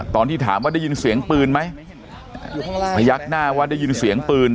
ตอนที่ถามว่าได้ยินเสียงปืนไหมพยักหน้าว่าได้ยินเสียงปืน